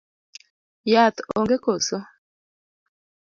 Yath onge koso?